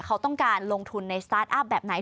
เขาต้องการลงทุนในสตาร์ทอัพแบบไหน